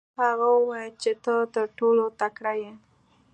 هغه وویل چې ته تر ټولو تکړه یې.